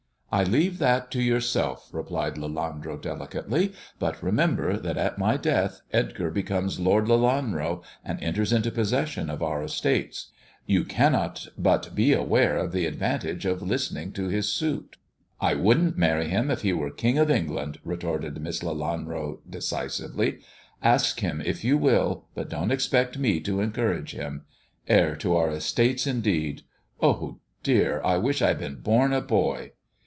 "I leave that to yourself," replied Lelanro delicately; " but remember that at my death Edgar becomes Lord Lelanro^ and enters into possession of our estates. You 86 THE dwarf's chamber cannot but be aware of the advantage of listening to his suit." " I wouldn't marry him if he were King of England," retorted Miss Lelanro decisively. " Ask him if you will ; but don't expect me to encourage him. Heir to our estates, indeed 1 Oh, dear, I wish I had been born a boy!"